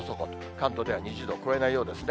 関東では２０度を超えないようですね。